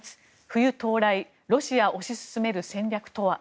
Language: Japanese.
冬到来、ロシア推し進める戦略とは。